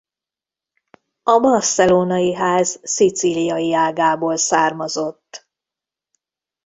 A Barcelonai-ház szicíliai ágából származott.